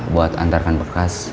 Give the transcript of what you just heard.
buat antarkan bekas